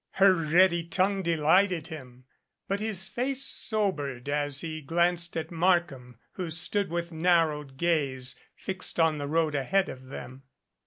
Her ready tongue delighted him, but his face sobered as he glanced at Markham, who stood with narrowed gaze fixed on the road ahead of them.